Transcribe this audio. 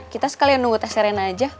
kita sekalian nunggu teh serena aja